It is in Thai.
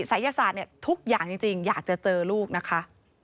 ศัยศาสตร์ทุกอย่างจริงอยากจะเจอลูกนะคะ